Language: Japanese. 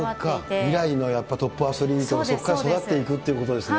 そうか、未来のトップアスリートがそこから育っていくっていうことですね。